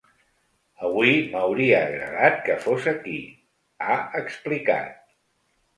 Avui m’hauria agradat que fos aquí, ha explicat.